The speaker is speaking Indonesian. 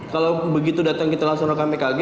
kalau begitu datang kita langsung rekam ekg